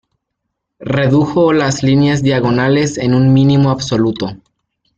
Redujo las líneas diagonales en un mínimo absoluto.